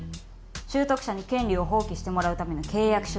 拾得者に権利を放棄してもらうための契約書です。